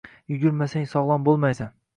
Yugurmasang sogʻlom boʻlmaysan.